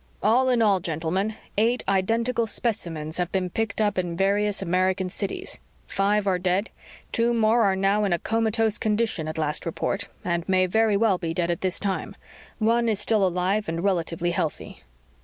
"All in all, gentlemen, eight identical specimens have been picked up in various American cities. Five are dead, two more are now in a comatose condition, at last report, and may very well be dead at this time. One is still alive and relatively healthy...."